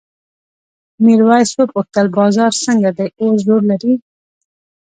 میرويس وپوښتل بازار څنګه دی اوس زور لري؟